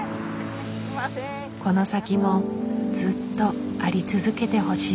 この先もずっとあり続けてほしい。